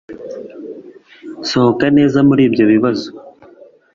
gusohoka neza muribyo bibazo